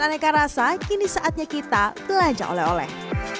dan aneka rasa kini saatnya kita belajar oleh oleh